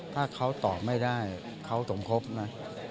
ถ้าเขาตอบไม่ได้เขาสมคบนะ